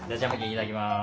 いただきます。